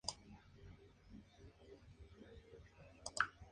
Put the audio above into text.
Es descendiente de italianos y libaneses.